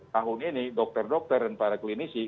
tahun ini dokter dokter dan para klinisi